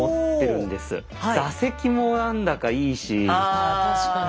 ああ確かに。